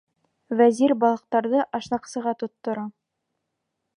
Вәзир балыҡтарҙы ашнаҡсыға тоттора.